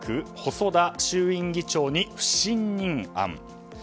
細田衆院議長に不信任案。